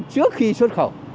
trước khi xuất khẩu